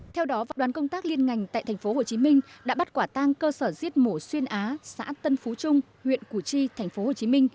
theo đó đoàn công tác liên ngành tại tp hcm đã bắt quả tang cơ sở giết mổ xuyên á xã tân phú trung huyện củ chi tp hcm